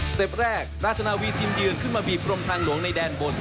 เต็ปแรกราชนาวีทีมเยือนขึ้นมาบีบกรมทางหลวงในแดนบน